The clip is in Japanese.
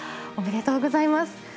おめでとうございます。